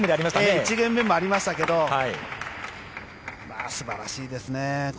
１ゲームもありましたが素晴らしいですね。